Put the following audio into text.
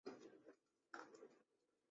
道光二十年中庚子科进士。